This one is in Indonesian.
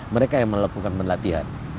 mereka yang melakukan penelatihan